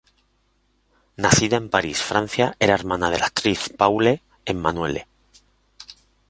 Nacida en París, Francia, era hermana de la actriz Paule Emanuele.